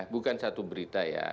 bukan satu berita ya